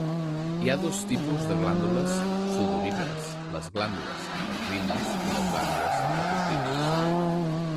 Hi ha dos tipus de glàndules sudorípares: les glàndules eccrines i les glàndules apocrines.